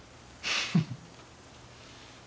フフッ。